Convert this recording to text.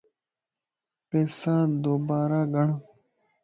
پيسادو بارا گڻ